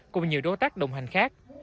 cùng nhiều đối tác đồng hành khác